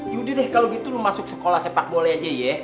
yaudah deh kalo gitu lo masuk sekolah sepak bola aja ya